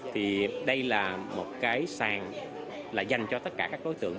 thì đây là một cái sàn là dành cho tất cả các đối tượng